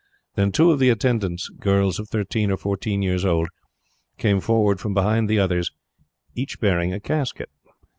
Then two of the attendants, girls of thirteen or fourteen years old, came forward from behind the others, each bearing a casket.